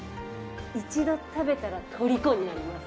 一度食べたらとりこになります。